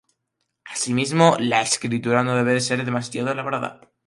Asimismo, la escritura no debe ser demasiado elaborada.